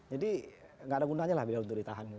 jadi nggak ada gunanya lah beliau untuk ditahan